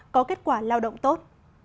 có kết quả lao động tốt